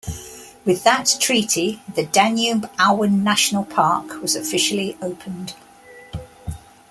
With that treaty, the Danube-Auen National Park was officially opened.